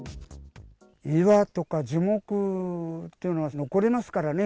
岩とか樹木っていうのは、残りますからね。